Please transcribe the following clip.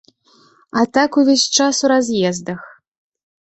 А так увесь час у раз'ездах.